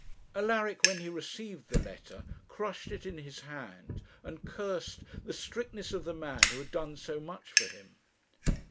Alaric, when he received the letter, crushed it in his hand, and cursed the strictness of the man who had done so much for him.